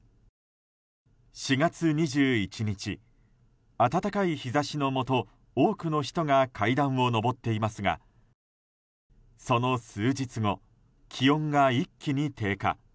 ４月２１日、暖かい日差しのもと多くの人が階段を上っていますがその数日後、気温が一気に低下。